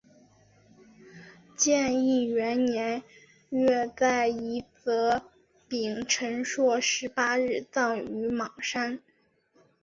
建义元年月在夷则丙辰朔十八日葬于邙山。